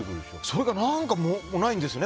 それが何かないんですよね